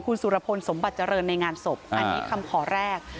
คุณสุรพลสมบัติเจริญในงานศพอันนี้คำขอแรก